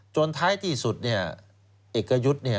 ท้ายที่สุดเนี่ยเอกยุทธ์เนี่ย